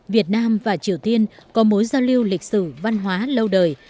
việt nam và triều tiên có mối giao lưu lịch sử văn hóa lâu đời